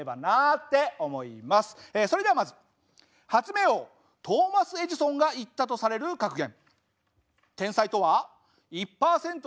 それではまず発明王トーマス・エジソンが言ったとされる格言。